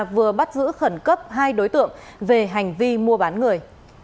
vừa bắt giữ khẩn cấp hai đối tượng về hành vi mua bán người